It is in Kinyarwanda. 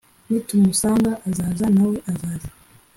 nitumusanga azaza nawe azaza